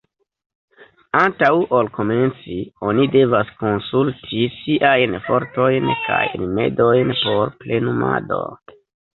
Antaŭ ol komenci, oni devas konsulti siajn fortojn kaj rimedojn por plenumado.